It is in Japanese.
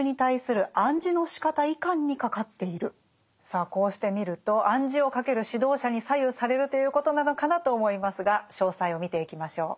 さあこうして見ると暗示をかける指導者に左右されるということなのかなと思いますが詳細を見ていきましょう。